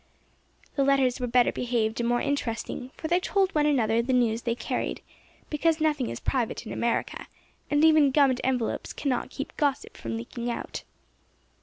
The letters were better behaved and more interesting, for they told one another the news they carried, because nothing is private in America, and even gummed envelopes cannot keep gossip from leaking out.